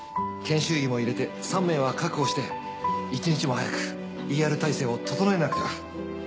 研修医も入れて３名は確保して１日も早くＥＲ体制を整えなくては。